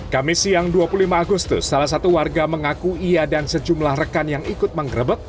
kamis siang dua puluh lima agustus salah satu warga mengaku ia dan sejumlah rekan yang ikut menggerebek